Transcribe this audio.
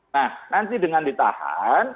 nah nanti dengan ditahan